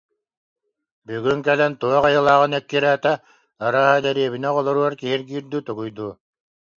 «Бүгүн кэлэн туох айылааҕын эккирээтэ, арааһа, дэриэбинэ оҕолоругар киһиргиир дуу, тугуй дуу»